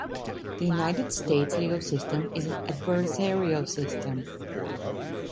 The United States legal system is an adversarial system.